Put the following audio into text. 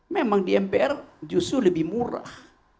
memang di mpr justru lebih murah